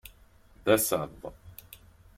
D asaḍ.